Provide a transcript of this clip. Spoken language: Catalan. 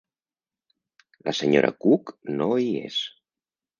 La senyora Cook no hi és.